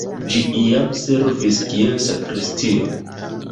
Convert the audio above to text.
Ĝi iam servis kiel sakristio.